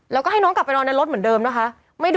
แล้วก็ให้น้องกลับไปนอนในรถเหมือนเดิมนะคะ